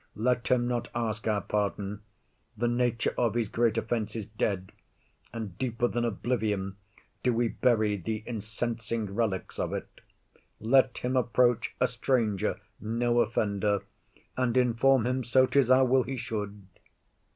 Let him not ask our pardon; The nature of his great offence is dead, And deeper than oblivion do we bury Th' incensing relics of it. Let him approach A stranger, no offender; and inform him So 'tis our will he should.